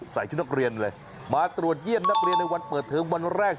ชุดนักเรียนเลยมาตรวจเยี่ยมนักเรียนในวันเปิดเทอมวันแรก